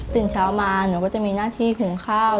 เช้ามาหนูก็จะมีหน้าที่หุงข้าว